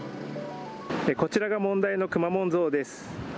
こちらが問題のくまモン像です。